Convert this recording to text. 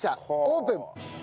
オープン！